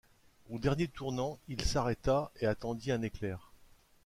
Au dernier tournant il s’arrêta, et attendit un éclair.